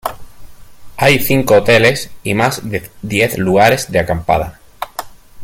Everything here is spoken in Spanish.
Hay cinco hoteles y más de diez lugares de acampada.